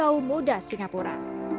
kaum muda singapura